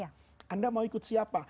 anda mau ikut siapa